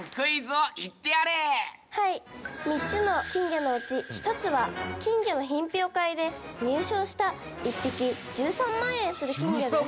３つの金魚のうち１つは金魚の品評会で入賞した１匹１３万円する金魚です。